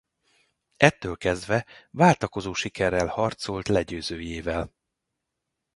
Ettől kezdve váltakozó sikerrel harcolt legyőzőjével.